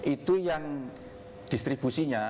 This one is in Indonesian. itu yang distribusinya